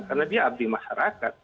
karena dia abdi masyarakat